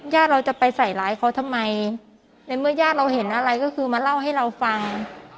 ญาติเราจะไปใส่ร้ายเขาทำไมในเมื่อญาติเราเห็นอะไรก็คือมาเล่าให้เราฟัง